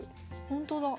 ほんとだ。